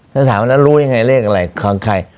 ทำไมถามอน่ะรู้ยังไงเลขอะไรของใคร